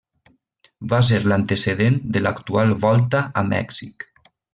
Va ser l'antecedent de l'actual Volta a Mèxic.